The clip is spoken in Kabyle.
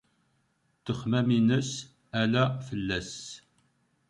Ttexmam-ines ala fell-as.